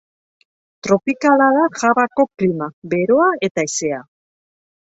Tropikala da Javako klima, beroa eta hezea.